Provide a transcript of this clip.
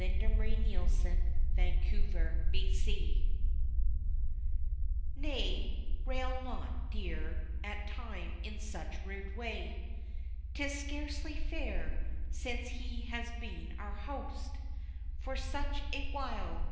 ] Our Host and His House Nay, rail not, dear, at Time in such rude way, 'Tis scarcely fair, since he has been our host For such a while.